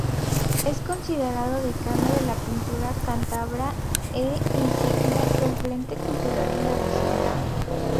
Es considerado decano de la pintura cántabra e insigne referente cultural de la región.